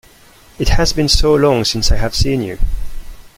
It has been so long since I have seen you!